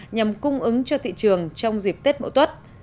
nhằm cung ứng cho thị trường trong dịp tết mậu tuất